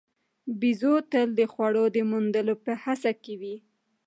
بیزو تل د خوړو د موندلو په هڅه کې وي.